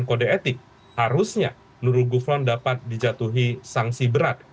dan kode etik harusnya nurul gufron dapat dijatuhi sanksi berat